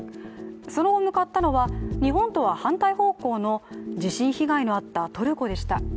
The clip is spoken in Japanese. その後、向かったのは日本とは反対方向の地震被害があったトルコでした。